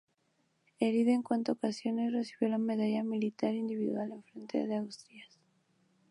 Herido en cuatro ocasiones, recibió la Medalla Militar Individual en el frente de Asturias.